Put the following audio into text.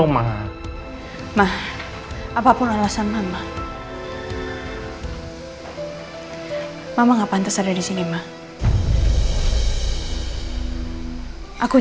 kamu memainkan aku